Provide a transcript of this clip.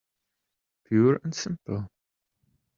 Pure and simple.